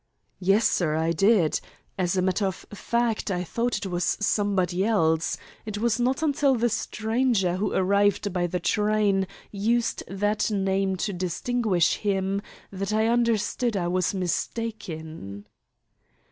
"Yes, sir, I did. As a matter of fact, I thought it was somebody else. It was not until the stranger who arrived by the train used that name to distinguish him that I understood I was mistaken."